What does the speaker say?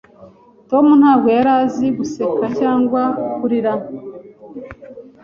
Tom ntabwo yari azi guseka cyangwa kurira.